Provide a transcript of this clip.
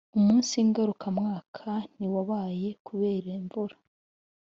Umunsi ngarukamwaka ntiwabaye kubera imvura